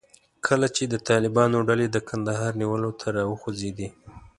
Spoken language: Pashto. کله چې د طالبانو ډلې د کندهار نیولو ته راوخوځېدې.